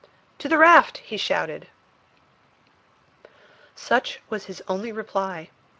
"To the raft!" he shouted. Such was his only reply.